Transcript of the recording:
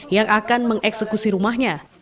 yang akan mengeksekusi rumahnya